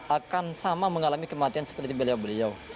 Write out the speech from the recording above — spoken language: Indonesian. akan sama mengalami kematian seperti beliau beliau